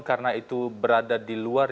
karena itu berada di luar